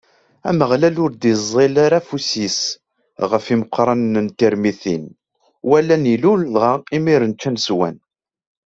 Ameɣlal ur d-iẓẓil ara afus-is ɣef imeqranen n Tirmitin, walan Illu dɣa imiren ččan, swan.